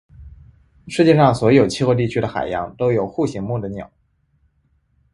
世界上所有气候地区的海洋都有鹱形目的鸟。